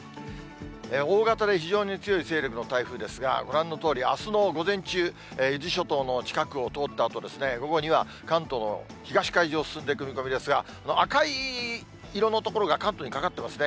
大型で非常に強い勢力の台風ですが、ご覧のとおり、あすの午前中、伊豆諸島の近くを通ったあと、午後には関東の東海上を進んでいく見込みですが、赤い色の所が関東にかかってますね。